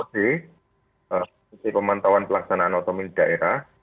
dari pemantauan pelaksanaan otomil di daerah